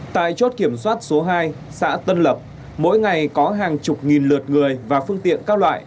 tại chốt kiểm soát số hai xã tân lập mỗi ngày có hàng chục nghìn lượt người và phương tiện các loại